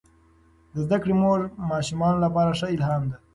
د زده کړې مور د ماشومانو لپاره ښه الهام ده.